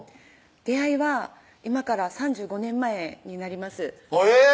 出会いは今から３５年前になりますえぇ！